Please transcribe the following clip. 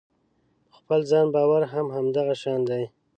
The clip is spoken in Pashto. په خپل ځان باور هم همدغه شان دی.